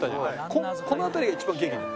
この辺りが一番元気なの。